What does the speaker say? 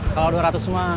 kalau dua ratus mah